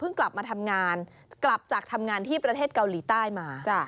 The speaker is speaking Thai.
กลับมาทำงานกลับจากทำงานที่ประเทศเกาหลีใต้มา